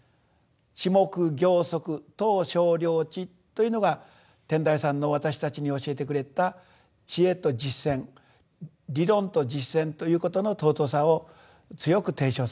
「智目行足到清涼池」というのが天台山の私たちに教えてくれた知恵と実践理論と実践ということの尊さを強く提唱されたと。